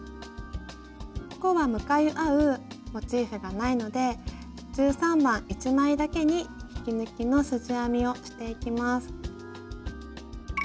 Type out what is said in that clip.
ここは向かい合うモチーフがないので１３番１枚だけに引き抜きのすじ編みをしていきます。